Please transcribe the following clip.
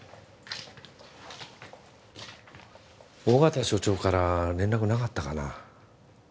緒方署長から連絡なかったかな？